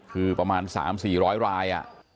คือประมาณ๓๔๐๐ราย